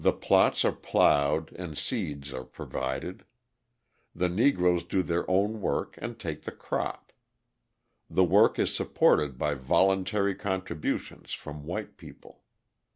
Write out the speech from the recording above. The plots are ploughed and seeds are provided: the Negroes do their own work and take the crop. The work is supported by voluntary contributions from white people.